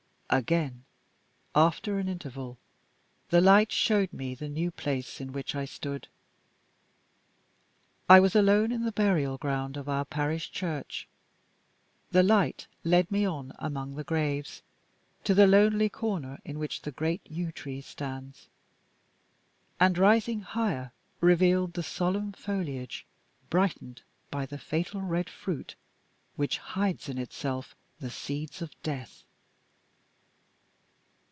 Again, after an interval, the light showed me the new place in which I stood. I was alone in the burial ground of our parish church. The light led me on, among the graves, to the lonely corner in which the great yew tree stands; and, rising higher, revealed the solemn foliage, brightened by the fatal red fruit which hides in itself the seeds of death.